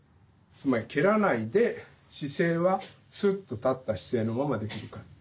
つまり蹴らないで姿勢はスッと立った姿勢のままできるか。